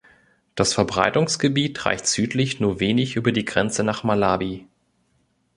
Das Verbreitungsgebiet reicht südlich nur wenig über die Grenze nach Malawi.